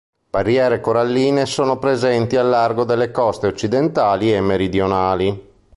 Barriere coralline sono presenti al largo delle coste occidentali e meridionali.